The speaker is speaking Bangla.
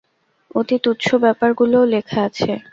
অতি তুচ্ছ ব্যাপারগুলোও লেখা আছে।